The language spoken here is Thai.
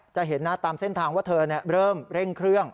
จะเห็นนะตามเส้นทางว่าเธอเริ่มเร่งเครื่อง